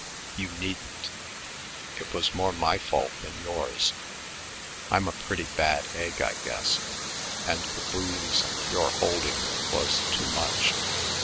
"You needn't. It was more my fault than yours. I'm a pretty bad egg, I guess; and the booze and you holding me was too much.